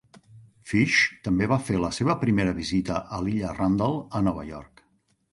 Phish també va fer la seva primera visita a l'illa Randall a Nova York.